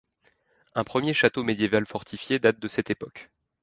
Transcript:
Un premier château médiéval fortifié date de cette époque.